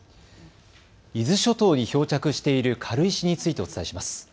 伊豆諸島に漂着している軽石についてお伝えします。